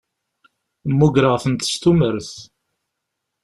Mmugreɣ-tent s tumert.